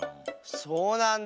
そうなんだ。